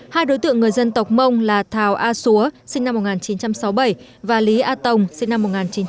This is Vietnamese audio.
hai đối tượng người dân tộc mông là thảo a xúa sinh năm một nghìn chín trăm sáu mươi bảy và lý a tồng sinh năm một nghìn chín trăm tám mươi